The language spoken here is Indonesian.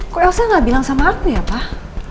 kok saya gak bilang sama aku ya pak